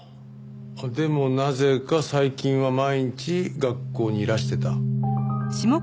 でもなぜか最近は毎日学校にいらしてた？